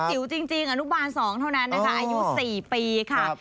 จิ๋วจริงอนุบาล๒เท่านั้นนะคะอายุ๔ปีค่ะ